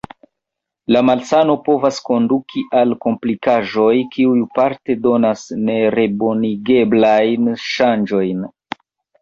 La malsano povas konduki al komplikaĵoj, kiuj parte donas nerebonigeblajn ŝanĝojn.